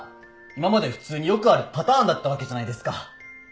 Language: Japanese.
今まで普通によくあるパターンだったわけじゃないですか。